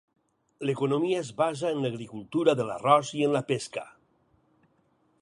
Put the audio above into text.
L'economia es basa en l'agricultura de l'arròs i en la pesca.